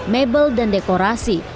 mebel dan dekorasi